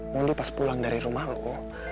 mondi pas pulang dari rumah lo